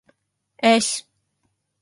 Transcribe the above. Es